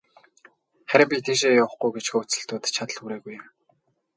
Харин би тийшээ явахгүй гэж хөөцөлдөөд, чадал хүрээгүй юм.